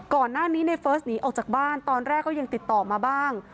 ก่อนหน้านี้ในเฟิร์สหนีออกจากบ้านตอนแรกก็ยังติดต่อมาบ้าง